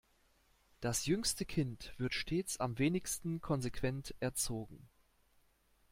Das jüngste Kind wird stets am wenigsten konsequent erzogen.